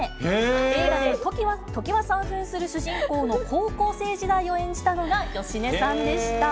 映画で映画で常盤さんふんする主人公の高校生時代を演じたのが芳根さんでした。